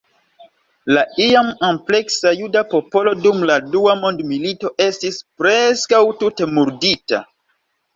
La iam ampleksa juda popolo dum la Dua Mondmilito estis preskaŭ tute murdita.